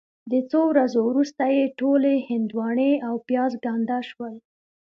د څو ورځو وروسته یې ټولې هندواڼې او پیاز ګنده شول.